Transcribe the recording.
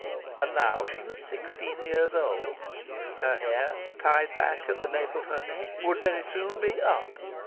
And now she was sixteen years old. Her hair, tied back at the nape of her neck, would very soon be "up."